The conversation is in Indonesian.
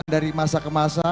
dari masa ke masa